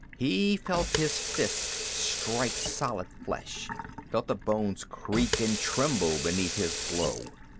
He felt his fists strike solid flesh, felt the bones creak and tremble beneath his blow.